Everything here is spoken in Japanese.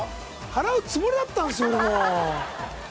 払うつもりだったんですよでも。